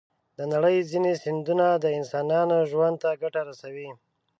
د نړۍ ځینې سیندونه د انسانانو ژوند ته ګټه رسوي.